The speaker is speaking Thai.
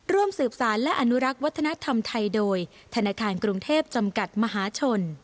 ร่วมสืบสารและอนุรักษ์วัฒนธรรมไทยโดยธนาคารกรุงเทพจำกัดมหาชน